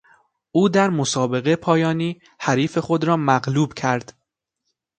او در مسابقه پایانی حریف خود را مغلوب کرد.